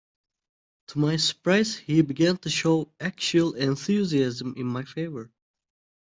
To my surprise he began to show actual enthusiasm in my favor.